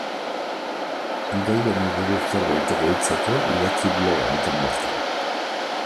Gai honi buruz zerbait gehitzeko idatzi blog honetan bertan.